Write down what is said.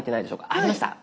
ありました？